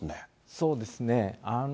そうですね。